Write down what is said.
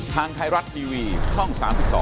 ทางไทยรัฐทีวีช่อง๓๒